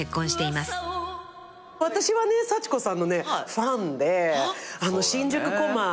私はね幸子さんのファンで新宿コマ。